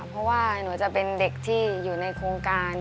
เพราะว่าหนูจะเป็นเด็กที่อยู่ในโครงการ